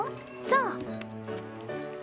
そう！